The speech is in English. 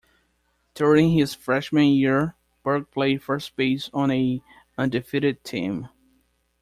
During his freshman year, Berg played first base on an undefeated team.